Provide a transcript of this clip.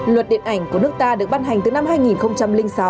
luật điện ảnh của nước ta được ban hành từ năm hai nghìn sáu